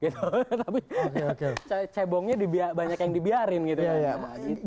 tapi cebongnya banyak yang dibiarin gitu kan